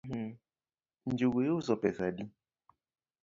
Njugu iuso pesa adi?